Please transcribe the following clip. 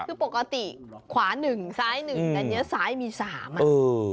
มันปกติขวา๑ซ้าย๑แต่นี้ซ้ายมี๓อ่ะเออ